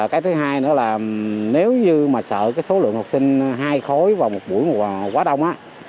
cái thứ hai nữa là nếu như mà sợ cái số lượng học sinh hai khối vào một buổi quá đông á